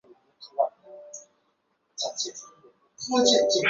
毕业于解放军信息工程大学信息技术应用与管理专业。